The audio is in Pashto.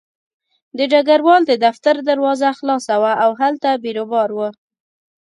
د ډګروال د دفتر دروازه خلاصه وه او هلته بیروبار و